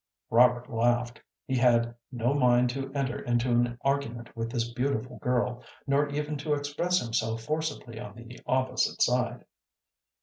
Robert laughed. He had no mind to enter into an argument with this beautiful girl, nor even to express himself forcibly on the opposite side.